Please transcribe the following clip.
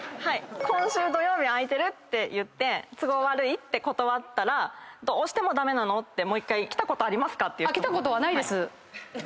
「今週土曜日空いてる？」って言って都合悪いって断ったら「どうしても駄目なの？」ってもう１回来たことありますか？